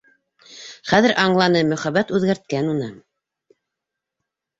Хәҙер аңланы: мөхәббәт үҙгәрткән уны.